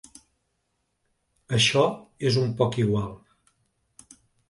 Això és un poc igual.